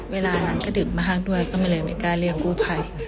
เวลานั้นก็ดึกมากด้วยก็เลยไม่กล้าเรียกกู้ภัย